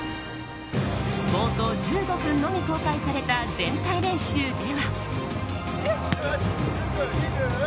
冒頭１５分のみ公開された全体練習では。